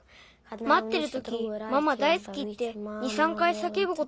まってるとき「ママ大すき！」って２３かいさけぶこともあるよ。